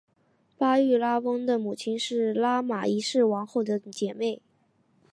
巴育拉翁的母亲是拉玛一世王后的姐妹。